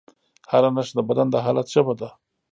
هره نښه د بدن د حالت ژبه ده.